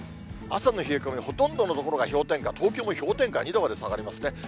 朝の冷え込み、ほとんどの所が氷点下、東京も氷点下２度まで下がりますね。